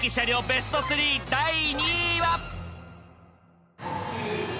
ベスト３第２位は。